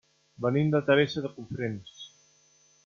Venim de Teresa de Cofrents.